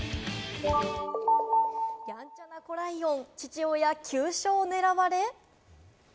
やんちゃな子ライオン、父親急所を狙われ。